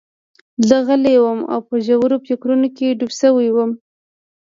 زه غلی وم او په ژورو فکرونو کې ډوب شوی وم